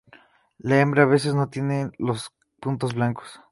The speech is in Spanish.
La hembra a veces no tiene los puntos blancos.